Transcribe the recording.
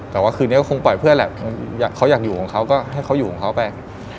แต่ว่าคืนนี้ก็คงปล่อยเพื่อนแหละเขาอยากอยู่ของเขาก็ให้เขาอยู่ของเขาไป